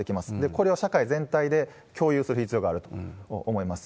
これを社会全体で共有する必要があると思います。